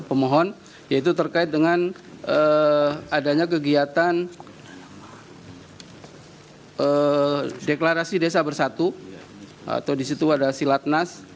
pemohon yaitu terkait dengan adanya kegiatan deklarasi desa bersatu atau di situ ada silatnas